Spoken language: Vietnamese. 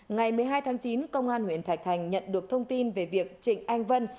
ngày một mươi hai tháng chín công an huyện thạch thành nhận được thông tin về việc trịnh anh vân